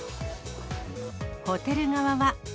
ホテル側は。